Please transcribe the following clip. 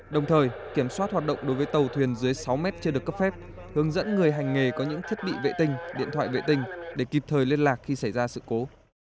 đồng thời kiểm soát hoạt động đối với tàu thuyền dưới sáu mét chưa được cấp phép hướng dẫn người hành nghề có những thiết bị vệ tinh điện thoại vệ tinh để kịp thời liên lạc khi xảy ra sự cố